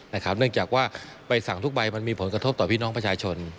เนื่องจากว่าใบสั่งทุกใบมันมีผลกระทบต่อพี่น้องประชาชน